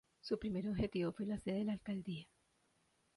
Su primer objetivo fue la sede de la Alcaldía.